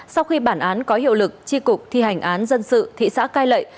sau khi bản án có hiệu lực tri cục thi hành án dân sự thị xã cai lệ